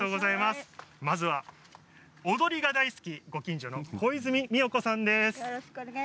まずは踊りが大好きご近所の小泉ミヨ子さんです。